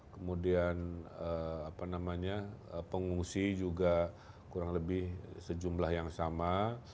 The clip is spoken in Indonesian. kemudian pengungsi juga kurang lebih sejumlah yang sama